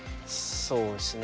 そうですね。